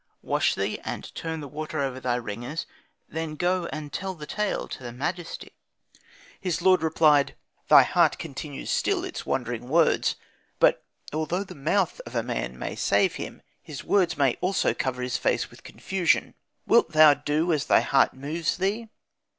Wash thee, and turn the water over thy ringers; then go and tell the tale to the majesty." His lord replied, "Thy heart continues still its wandering words! but although the mouth of a man may save him, his words may also cover his face with confusion. Wilt thou do then as thy heart moves thee?